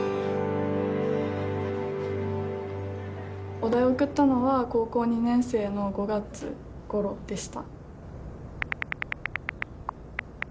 お題を送ったのは高校２年生の５月ごろでした。